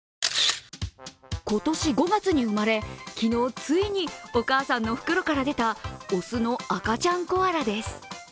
今年５月に生まれ、昨日、ついにお母さんの袋から出たオスの赤ちゃんコアラです。